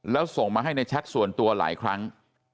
แล้วส่งมาให้ในแชทส่วนตัวหลายครั้ง